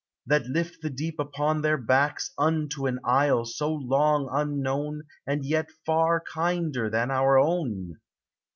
That lift the deep upon their backs, THE SEA. 401 Unto an isle so long unknown, And yet far kinder than our own?